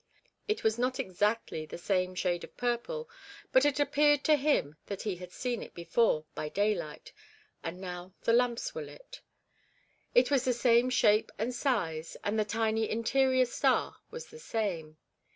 It was not exactly the same shade of purple, but it appeared to him that he had seen it before by daylight, and now the lamps were lit. It was the same shape and size, and the tiny interior star was the same.